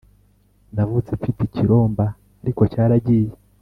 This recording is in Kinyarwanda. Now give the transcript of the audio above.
Navutse mfite ikiromba ariko cyaragiye